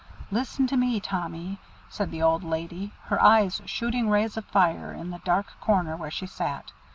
Listen to me, Tommy," said the old lady, her eyes shooting rays of fire in the dark corner where she sat.